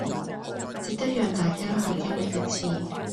值得讓大家去經歷一次